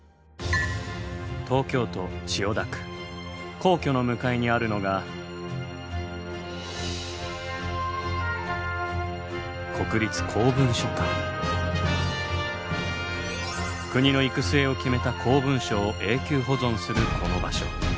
皇居の向かいにあるのが国の行く末を決めた公文書を永久保存するこの場所。